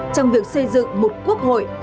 trong việc xây dựng một quốc hội